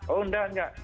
oh enggak enggak